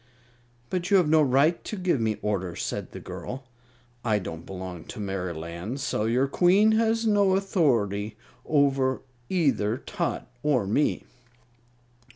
"But you have no right to give me orders," said the girl. "I don't belong to Merryland, so your Queen has no authority over either Tot or me."